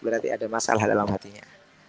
berarti ada masalah dalam hatinya